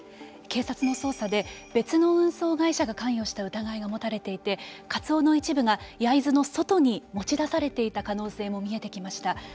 警察の捜査で別の運送会社が関与した疑いが持たれていてカツオの一部が焼津の外に持ち出されていた可能性も見えてきました。